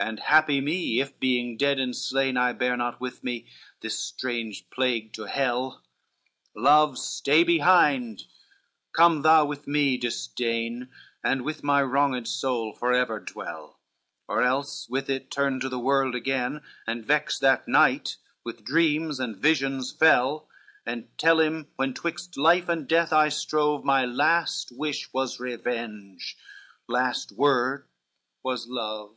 CXXVI "And happy me if, being dead and slain, I bear not with me this strange plague to hell: Love, stay behind, come thou with me disdain, And with my wronged soul forever dwell; Or else with it turn to the world again And vex that knight with dreams and visions fell, And tell him, when twixt life and death I strove My last wish, was revenge—last word, was love."